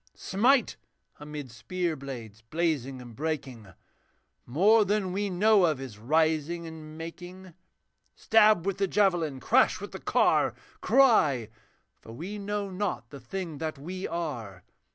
'Smite! amid spear blades blazing and breaking. More than we know of is rising and making. Stab with the javelin, crash with the car! Cry! for we know not the thing that we are.